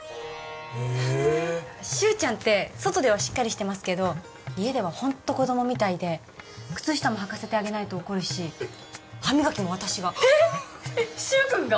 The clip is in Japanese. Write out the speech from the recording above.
えっ柊ちゃんって外ではしっかりしてますけど家ではホント子供みたいで靴下もはかせてあげないと怒るし歯磨きも私がえっ柊君が？